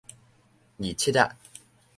二七仔